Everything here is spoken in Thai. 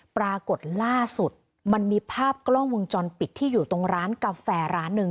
ปรากฏล่าสุดมันมีภาพกล้องวงจรปิดที่อยู่ตรงร้านกาแฟร้านหนึ่ง